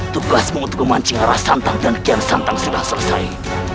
tugasmu untuk memancing arah santan dan kian santan sudah selesai